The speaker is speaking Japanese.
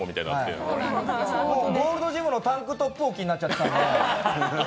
ゴールドジムのタンクトップ置きになってたんで。